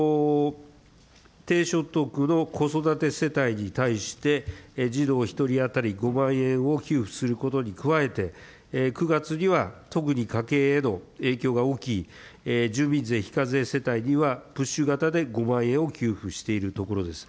低所得の子育て世帯に対して、児童１人当たり５万円を給付することに加えて、９月には特に家計への影響が大きい住民税非課税世帯には、プッシュ型で５万円を給付しているところです。